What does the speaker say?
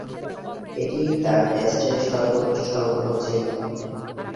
এটিই তার টেস্টের সর্বোচ্চ সংগ্রহ ছিল।